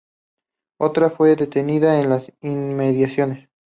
Otra fue detenida en las inmediaciones.